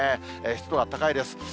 湿度は高いです。